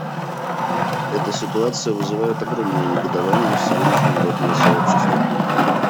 Эта ситуация вызывает огромное негодование всего международного сообщества.